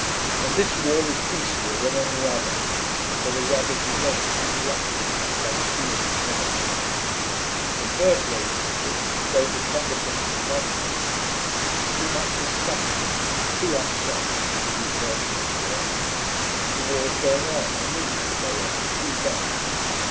And this war is beastlier than any other, so the rubbish is less counteracted by the decent writers. The first rate people, both the combatants and non combatants, are too much disgusted, too upset, to do first rate work. The war's going on, and means to go on, too long.